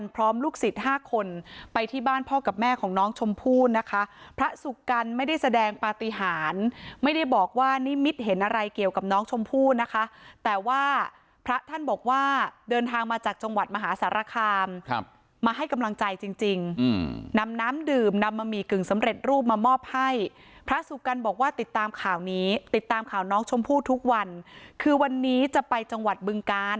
ลูกศิษย์ห้าคนไปที่บ้านพ่อกับแม่ของน้องชมพู่นะคะพระสุกัณฐ์ไม่ได้แสดงปฏิหารไม่ได้บอกว่านิมิตเห็นอะไรเกี่ยวกับน้องชมพู่นะคะแต่ว่าพระท่านบอกว่าเดินทางมาจากจังหวัดมหาสารคามมาให้กำลังใจจริงนำน้ำดื่มนำบะหมี่กึ่งสำเร็จรูปมามอบให้พระสุกัณฑบอกว่าติดตามข่าวนี้ติดตามข่าวน้องชมพู่ทุกวันคือวันนี้จะไปจังหวัดบึงกาล